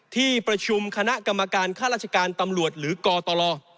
ที่ประชุมคณะกรรมการค่าราชการตำรวจหรือกตล